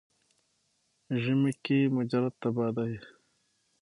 ژمي کې مجرد تبا دی.